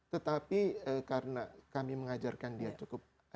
tetapi karena kami mengajarkan dia cukup